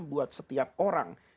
buat setiap orang